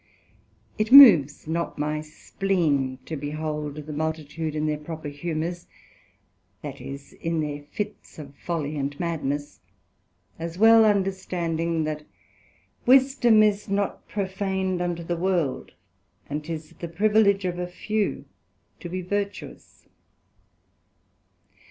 It moves not my spleen to behold the multitude in their proper humours, that is, in their fits of folly and madness, as well understanding that wisdom is not prophan'd unto the World, and 'tis the priviledge of a few to be Vertuous.